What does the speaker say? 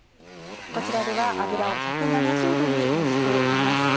こちらでは油を１７０℃に熱しています。